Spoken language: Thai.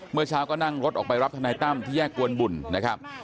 เมื่อเช้าก็นั่งรถออกไปรับทนายตั้มที่แยกกวนบุญนะครับ